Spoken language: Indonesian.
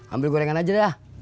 ambil ini keyat nasional